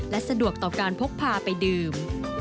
และสะดวกต่อการพกพาไปดื่ม